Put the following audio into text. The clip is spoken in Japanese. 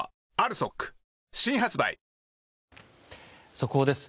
速報です。